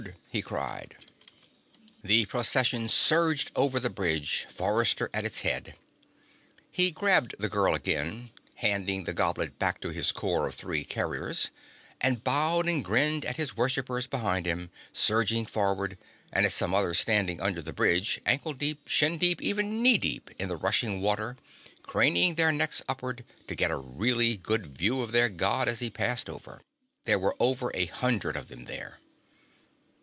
he cried. The Procession surged over the bridge, Forrester at its head. He grabbed the girl again, handing the goblet back to his corps of three carriers, and bowed and grinned at his worshippers behind him, surging forward, and at some others standing under the bridge, ankle deep, shin deep, even knee deep in the rushing water, craning their necks upward to get a really good view of their God as he passed over. There were over a hundred of them there.